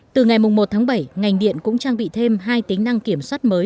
từ ngày một tháng bảy ngành điện cũng trang bị thêm hai tính năng kiểm soát mới